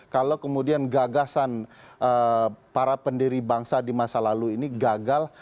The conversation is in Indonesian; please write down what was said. kalau kemudian gagasan para pendiri bangsa di masa lalu ini gagal